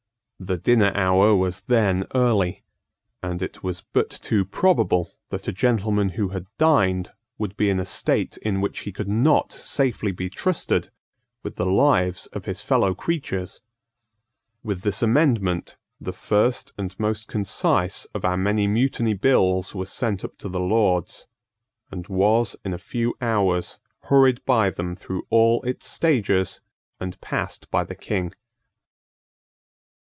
The dinner hour was then early; and it was but too probable that a gentleman who had dined would be in a state in which he could not safely be trusted with the lives of his fellow creatures. With this amendment, the first and most concise of our many Mutiny Bills was sent up to the Lords, and was, in a few hours, hurried by them through all its stages and passed by the King.